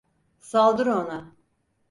Saldır ona!